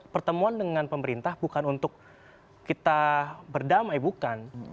pertemuan dengan pemerintah bukan untuk kita berdamai bukan